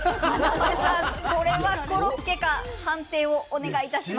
これはコロッケか判定、お願いします。